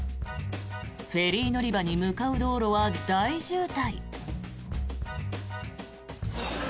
フェリー乗り場に向かう道路は大渋滞。